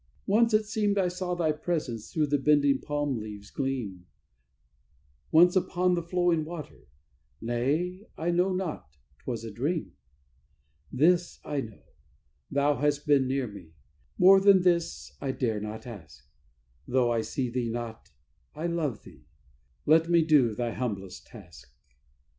"Once it seemed I saw Thy presence through the bending palm leaves gleam; Once upon the flowing water Nay, I know not; 'twas a dream! "This I know: Thou hast been near me: more than this I dare not ask. Though I see Thee not, I love Thee. Let me do Thy humblest task!"